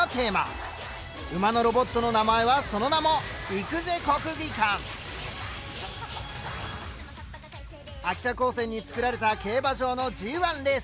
馬のロボットの名前はその名も秋田高専に作られた競馬場のＧⅠレース秋田大障害。